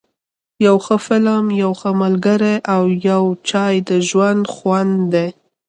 یو ښه فلم، یو ښه ملګری او یو چای ، د ژوند خوند دی.